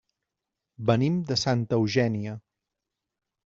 Venim de Santa Eugènia.